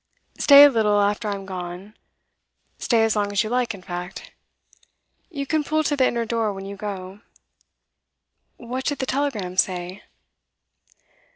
Stay a little after I'm gone; stay as long as you like, In fact. You can pull to the inner door when you go.' 'What did the telegram say?